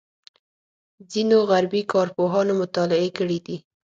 ځینو غربي کارپوهانو مطالعې کړې دي.